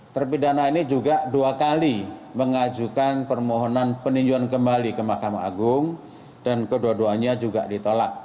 terpidana ini juga dua kali mengajukan permohonan peninjauan kembali ke mahkamah agung dan kedua duanya juga ditolak